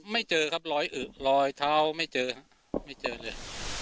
ไม่เจอครับรอยเท้าไม่เจอเลย